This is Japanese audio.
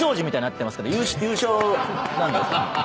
優勝なんですよ。